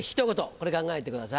これ考えてください。